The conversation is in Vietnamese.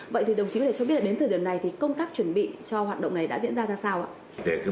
vậy thì đồng chí có thể cho biết là đến thời điểm này thì công tác chuẩn bị cho hoạt động này đã diễn ra ra sao ạ